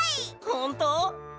ほんと？